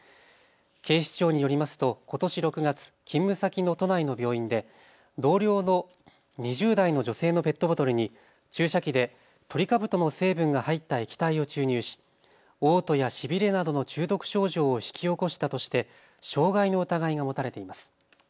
警視庁によりますとことし６月、勤務先の都内の病院で同僚の２０代の女性のペットボトルに注射器でトリカブトの成分が入った液体を注入しおう吐やしびれなどの中毒症状を引き起こしたとして傷害の疑いが持たれています。